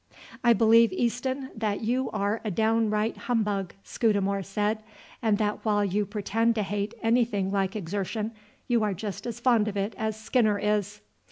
"I believe, Easton, that you are a downright humbug," Scudamore said; "and that while you pretend to hate anything like exertion, you are just as fond of it as Skinner is."